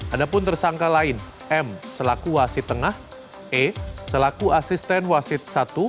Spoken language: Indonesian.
ada pun tersangka lain m selaku wasit tengah e selaku asisten wasit satu